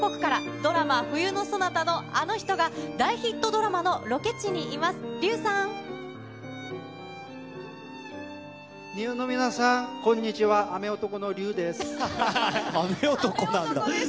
ドラマ、冬のソナタのあの人が、大ヒットドラマのロケ地にいます。